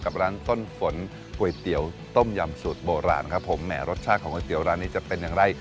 ร้านต้นฝนก๋วยเตี๋ยวต้มยำสูตรโบราณครับผมแหมรสชาติของก๋วเตี๋ร้านนี้จะเป็นอย่างไร